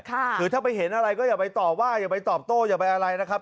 คือถ้าไปเห็นอะไรก็อย่าไปต่อว่าอย่าไปตอบโต้อย่าไปอะไรนะครับ